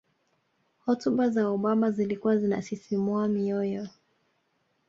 hotuba za obama zilikuwa zinasisimua mioyo